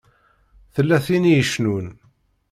Tella tin i icennun.